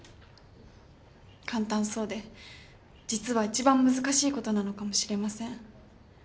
簡単そうで実はいちばん難しいことなのかもしれません。